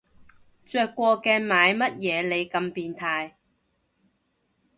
着過嘅買乜嘢你咁變態